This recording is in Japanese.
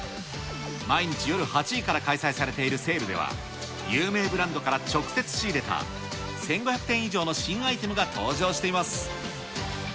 毎日夜８時から開催されているセールでは、有名ブランドから直接仕入れた１５００点以上の新アイテムが登場しています。